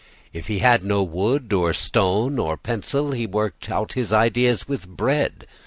If he had no wood or stone or pencil, he worked out his ideas with bread.